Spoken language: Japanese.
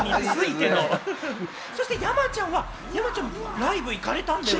そして山ちゃんはライブ行かれたんだよね？